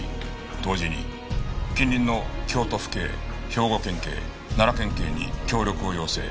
同時に近隣の京都府警兵庫県警奈良県警に協力を要請。